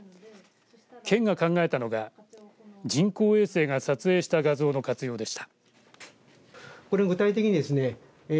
県が考えたのが人工衛星が撮影した画像の活用でした。